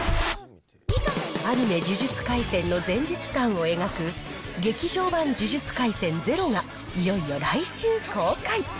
アニメ呪術廻戦の前日談を描く、劇場版呪術廻戦０が、いよいよ来週公開。